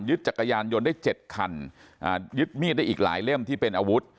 จักรยานยนต์ได้๗คันยึดมีดได้อีกหลายเล่มที่เป็นอาวุธ